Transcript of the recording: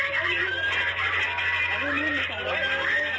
มีรักกาอะไรด้วย